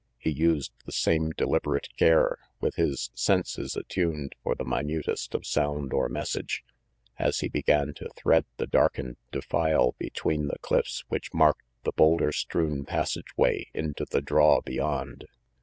He used the same deliberate care, with his senses attuned for the minutest of sound or message, as he began to thread the darkened defile between the cliffs which marked the boulder strewn passageway into the draw beyond.